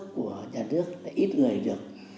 của nhà nước lại ít người được